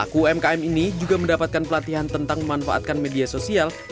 krema mencapai tiga puluh meter di kamar